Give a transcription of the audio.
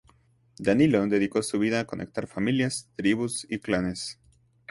Danilo dedicó su vida a conectar familias, tribus y clanes.